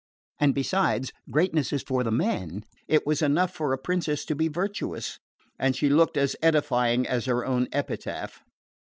And besides, greatness was for the men it was enough for a princess to be virtuous. And she looked as edifying as her own epitaph.